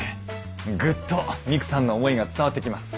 グッとミクさんの思いが伝わってきます。